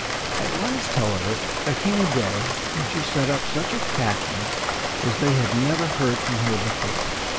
At last, however, there came a day when she set up such a cackling as they had never heard from her before.